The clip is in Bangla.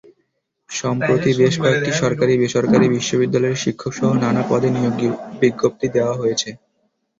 সম্প্রতি বেশ কয়েকটি সরকারি-বেসরকারি বিশ্ববিদ্যালয়ে শিক্ষকসহ নানা পদে নিয়োগ বিজ্ঞপ্তি দেওয়া হয়েছে।